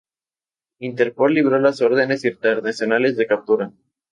Interpol libró las órdenes internacionales de captura.